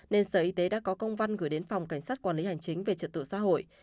nên sở y tế đã có công văn gửi đến phòng cảnh sát quản lý hành chính về trật tự xã hội